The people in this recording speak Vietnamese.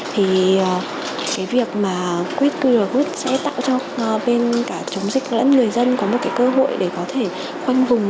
thì cái việc mà quét qr code sẽ tạo cho bên cả chống dịch lẫn người dân có một cái cơ hội để có thể khoanh vùng